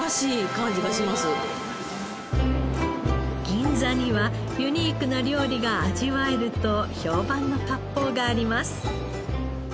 銀座にはユニークな料理が味わえると評判の割烹があります。